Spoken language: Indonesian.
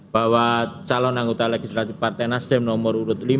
bahwa calon anggota legislatif partai nasdem nomor urut lima